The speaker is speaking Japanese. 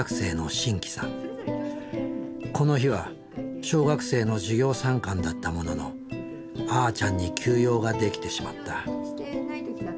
この日は小学生の授業参観だったもののあーちゃんに急用が出来てしまった。